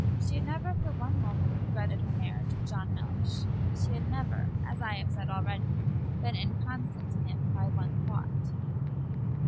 She had never for one moment regretted her marriage with John Mellish. She had never, as I have said already, been inconstant to him by one thought.